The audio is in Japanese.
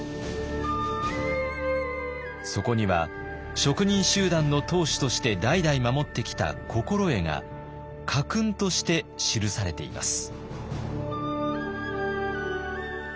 そこには職人集団の当主として代々守ってきた心得が家訓として記されています。